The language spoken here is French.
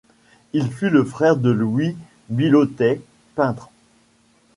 Il fut le frère de Louis Billotey, peintre.